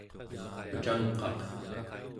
mecangqaq